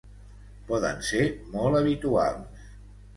Poden ser molt habituals.